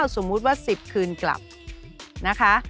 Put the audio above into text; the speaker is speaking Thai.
สมมุติว่า๑๐คืนกลับนะคะ